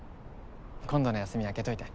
今度の休み空けといて。